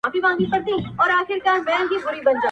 ستا د ښايستې خولې ښايستې خبري.